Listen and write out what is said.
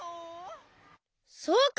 そうか！